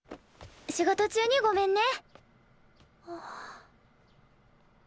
仕事中にごめんね。